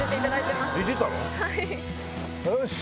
よし！